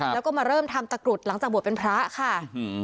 แล้วก็มาเริ่มทำตะกรุดหลังจากบวชเป็นพระค่ะ